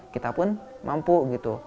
kita pun mampu gitu